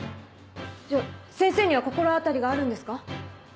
じゃあ先生には心当たりがあるんですか？